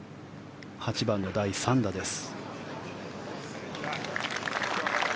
８番の第３打です。